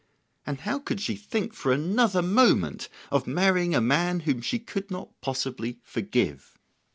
And how could she think for another moment of marrying a man whom she could not possibly forgive?